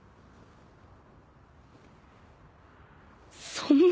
そんな